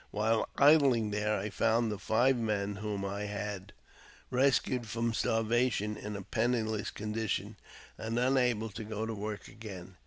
While idling there, I found the five inen whom I had rescued from starvation in a penniless con dition, and unable to go to work again.